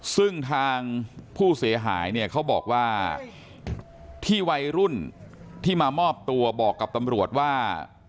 ซึ่งทางผู้เสียหายเนี่ยเขาบอกว่าที่วัยรุ่นที่มามอบตัวบอกกับตำรวจว่า